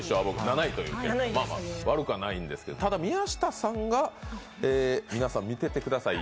悪くはないんですけど、ただ宮下さんが、皆さん見てください。